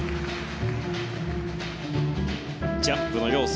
ジャンプの要素